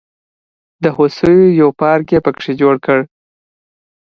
د هوسیو یو پارک یې په کې جوړ کړ.